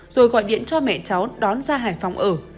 rồi gọi điện cho mẹ cháu đón ra hải phòng ở